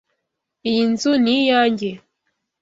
Iyi nzu ni iyanjye.